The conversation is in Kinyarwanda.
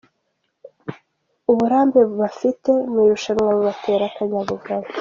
Uburambe bafite mu irushanwa bubatera akanyabugabo.